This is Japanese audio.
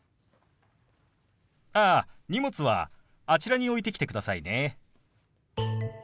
ああ荷物はあちらに置いてきてくださいね。